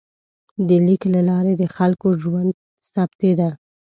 د لیک له لارې د خلکو ژوند ثبتېده.